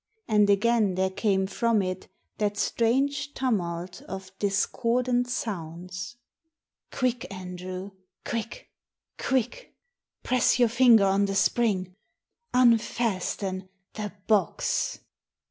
And again there came from it that strange tumult of discordant sounds. " Quick, Andrew, quick, quick ! Pres3 your finger on the spring ! Unfasten the box